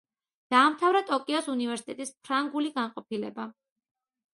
დაამთავრა ტოკიოს უნივერსიტეტის ფრანგული განყოფილება.